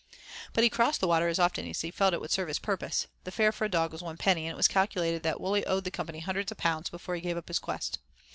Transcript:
But he crossed the water as often as he felt it would serve his purpose. The fare for a dog was one penny, and it was calculated that Wully owed the company hundreds of pounds before he gave up his quest.